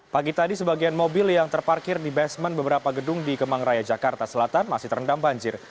pagi tadi sebagian mobil yang terparkir di basement beberapa gedung di kemang raya jakarta selatan masih terendam banjir